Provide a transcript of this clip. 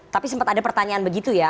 tapi sempat ada pertanyaan begitu ya